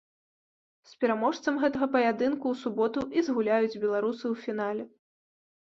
З пераможцам гэтага паядынку ў суботу і згуляюць беларусы ў фінале.